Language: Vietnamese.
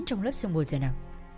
trong lớp sông bồn rồi nào